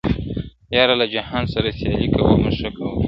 • یار له جهان سره سیالي کوومه ښه کوومه,